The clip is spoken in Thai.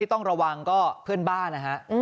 ต้องระวังก็เพื่อนบ้านนะฮะ